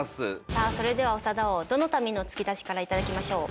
さあそれでは長田王どの民の突き出しから頂きましょう？